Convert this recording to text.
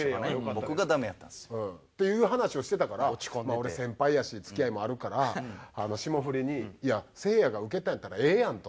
僕がダメやったんですよ。っていう話をしてたから俺先輩やし付き合いもあるから霜降りに「いやせいやがウケたんやったらええやん」と。